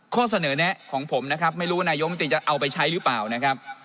ข้อเสนอแนะของผมนะครับไม่รู้ว่านายกมนตรีจะเอาไปใช้หรือเปล่านะครับ